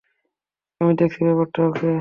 আমি দেখছি ব্যাপারটা, ওকে।